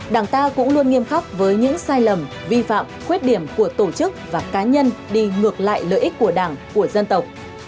đảng ta cũng luôn nghiêm khắc với những sai lầm vi phạm khuyết điểm của tổ chức và cá nhân đi ngược lại lợi ích của đảng của dân tộc